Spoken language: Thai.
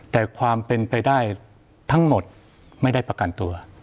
แต่ความเป็นไปได้ทั้งหมดไม่ได้ประกันตัว